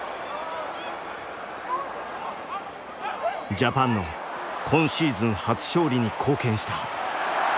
ジャパンの今シーズン初勝利に貢献した。